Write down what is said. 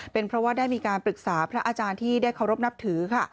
เป็นเพราะว่าได้มีการปรึกษาพระอาจารย์ที่ได้เคารพนับถือค่ะ